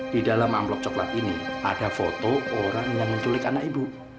di dalam amplop coklat ini ada foto orang yang menculik anak ibu